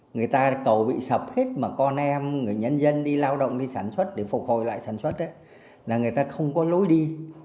người ta là cầu bị sập hết mà con em người nhân dân đi lao động đi sản xuất để phục hồi lại sản xuất là người ta không có lối đi